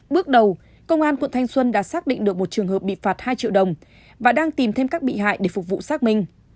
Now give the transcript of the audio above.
bước đầu công an quận thanh xuân đã xác định được một trường hợp bị phạt hai triệu đồng và đang tìm thêm các bị hại để phục vụ xác minh